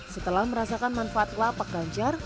setelah merasakan manfaat lapak ganjar